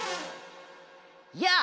やあ！